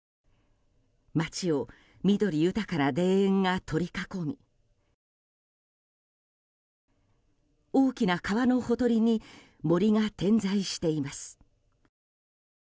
街を緑豊かな田園が取り囲み大きな川のほとりに森が点在しています。